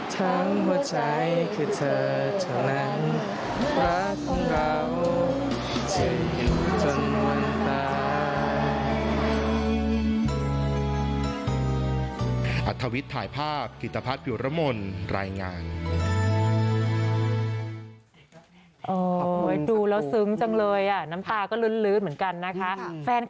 ทั้งหัวใจคือเธอเท่านั้น